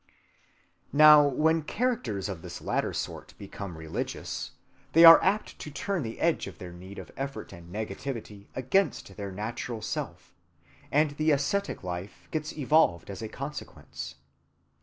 Now when characters of this latter sort become religious, they are apt to turn the edge of their need of effort and negativity against their natural self; and the ascetic life gets evolved as a consequence.